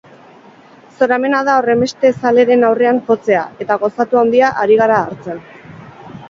Zoramena da horrenbeste zaleren aurrean jotzea, eta gozatu handia ari gara hartzen.